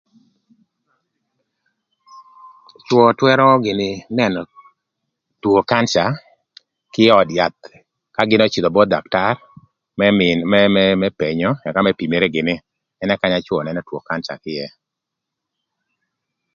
Cwö twërö gïnï nënö two kanca kï öd yath ka gïn öcïdhö gïnï both daktar më penyo ëka më pimere gïnï ënë kanya cwö nënö two kanca kï ïë.